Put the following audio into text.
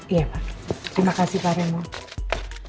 iya pak terima kasih pak remo